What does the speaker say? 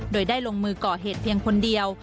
โดยได้ลงมือก่อเหตุเพียงคนเดียว